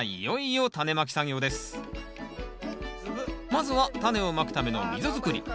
まずはタネをまくための溝作り。